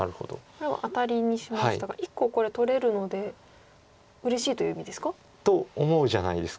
これはアタリにしましたが１個これ取れるのでうれしいという意味ですか？と思うじゃないですか。